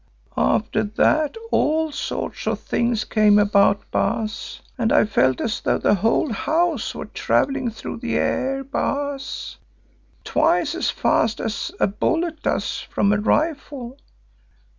"After that all sorts of things came about, Baas, and I felt as though the whole house were travelling through the air, Baas, twice as fast as a bullet does from a rifle.